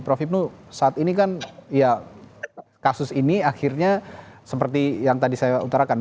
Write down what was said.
prof ibnu saat ini kan ya kasus ini akhirnya seperti yang tadi saya utarakan